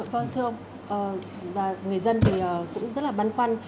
và người dân thì cũng rất là băn khoăn